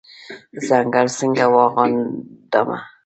ځنګل څنګه واغوندمه